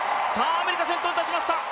アメリカ、先頭に立ちました。